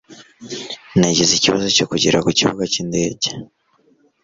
Nagize ikibazo cyo kugera ku kibuga cyindege.